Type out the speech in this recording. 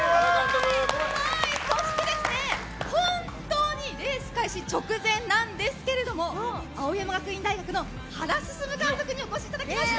そして本当にレース開始直前なんですが青山学院大学の原晋監督にお越しいただきました！